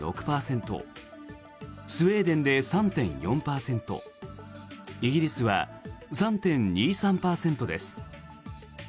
スウェーデンで３．４％イギリスは３．２３％です。